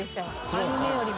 アニメよりも。